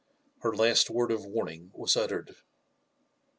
Her last word of warning was uttered.